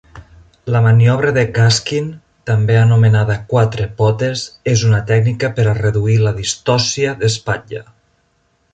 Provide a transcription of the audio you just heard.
La maniobra de Gaskin, també anomenada quatre potes, és una tècnica per a reduir la distòcia d'espatlla.